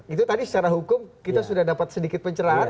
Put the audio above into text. itu tadi secara hukum kita sudah dapat sedikit pencerahan